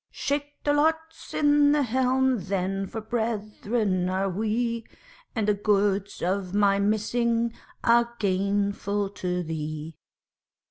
Shake the lots in the helm then for brethren are we, And the goods of my missing are gainful to thee.